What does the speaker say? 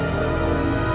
perlu emang ratu